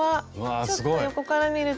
ちょっと横から見ると。